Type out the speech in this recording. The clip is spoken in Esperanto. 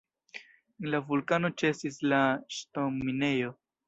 En la vulkano ĉesis la ŝtonminejo.